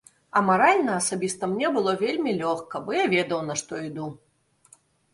А маральна асабіста мне было вельмі лёгка, бо я ведаў, на што іду.